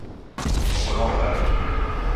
Me kon wo vala